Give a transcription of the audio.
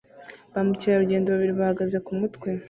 Ba mukerarugendo babiri bahagaze kumutwe